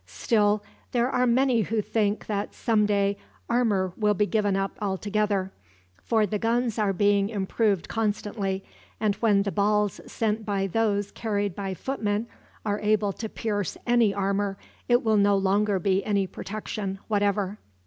Still, there are many who think that some day armor will be given up altogether; for the guns are being improved constantly, and when the balls sent by those carried by footmen are able to pierce any armor, it will no longer be any protection, whatever."